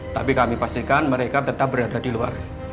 tapi kami pastikan mereka tetap berada di luar